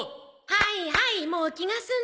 はいはいもう気が済んだ？